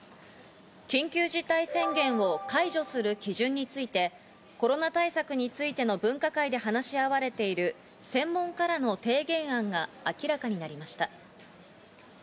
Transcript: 緊急事態宣言を解除する基準について、コロナ対策についての分科会で話し合われている専門家らの提言案が明らかになりました。